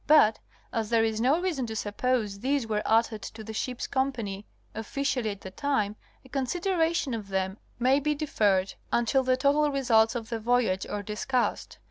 But, as there is no reason to suppose these were uttered to the ship's company officially at the time, a consideration of them may be deferred until the total results of the voyage are discussed.